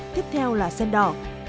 tiếp theo là sen đỏ